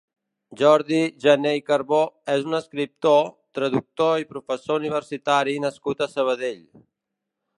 Jordi Jané i Carbó és un escriptor, traductor i professor universitari nascut a Sabadell.